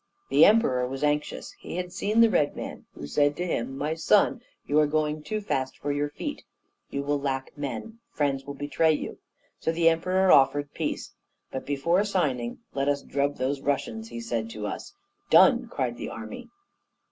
The Emperor was anxious. He had seen the Red Man, who said to him 'My son, you are going too fast for your feet; you will lack men; friends will betray you.' So the Emperor offered peace. But before signing, 'Let us drub those Russians!' he said to us. 'Done!' cried the army.